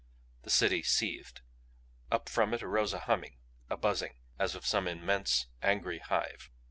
The city seethed. Up from it arose a humming, a buzzing, as of some immense angry hive.